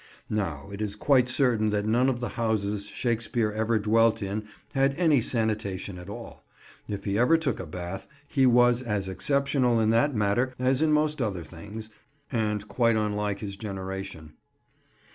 Now, it is quite certain that none of the houses Shakespeare ever dwelt in had any sanitation at all; if he ever took a bath, he was as exceptional in that matter as in most other things, and quite unlike his generation.